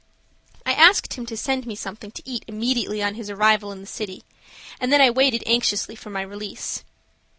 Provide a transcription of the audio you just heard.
I asked him to send me something to eat immediately on his arrival in the city, and then I waited anxiously for my release.